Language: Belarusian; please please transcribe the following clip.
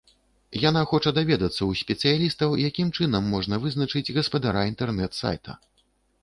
Яна хоча даведацца ў спецыялістаў, якім чынам можна вызначыць гаспадара інтэрнэт-сайта.